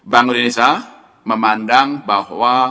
bank indonesia memandang bahwa